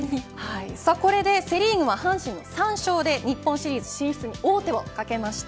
これでセ・リーグは阪神３勝で日本シリーズ進出に王手をかけました。